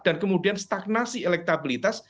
dan kemudian stagnasi elektabilitas